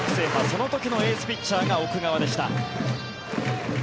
その時のエースピッチャーが奥川でした。